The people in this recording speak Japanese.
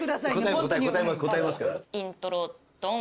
イントロドン。